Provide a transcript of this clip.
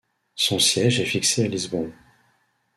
Son siège est fixé à Lisbon.